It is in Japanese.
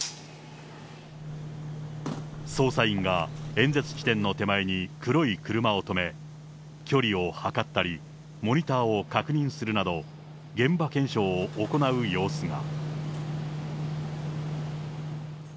捜査員が演説地点の手前に黒い車を止め、距離を測ったり、モニターを確認するなど、現場検証を行う様子が。